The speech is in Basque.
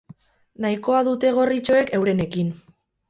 Nahikoa dute gorritxoek eurenekin.